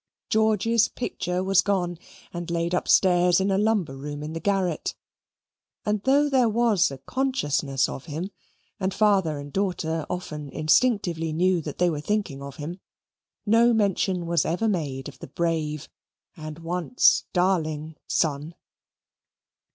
George's picture was gone, and laid upstairs in a lumber room in the garret; and though there was a consciousness of him, and father and daughter often instinctively knew that they were thinking of him, no mention was ever made of the brave and once darling son.